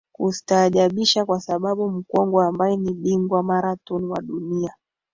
kustaajabisha kwa sababu mkongwe ambaye ni bingwa marathon wa dunia